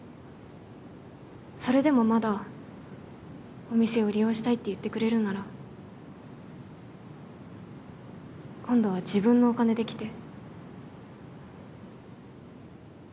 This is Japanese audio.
それでもまだお店を利用したいって言ってくれるなら今度は自分のお金で来て。